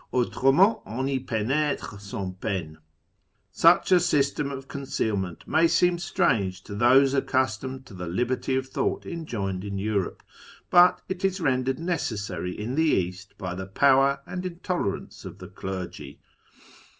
Autrement on y penetre sans peine." Such a system of concealment may seem strange to those accustomed to the liberty of thought enjoyed in Europe, but it is rendered necessary in the East by the power and intoler ance of the clergy.